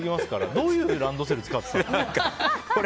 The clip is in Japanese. どういうランドセル使ってたんですか。